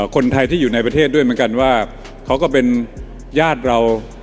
คนไทยที่อยู่ในประเทศด้วยเหมือนกันว่าเขาก็เป็นญาติเรา